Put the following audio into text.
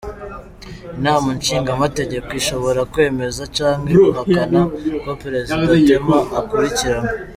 Inama nshingamateka ishobora kwemeza canke guhakana ko prezida Temer akurikiranwa.